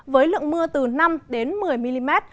với lượng mưa từ năm một mươi mm